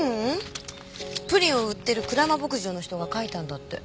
プリンを売ってる蔵間牧場の人が書いたんだって。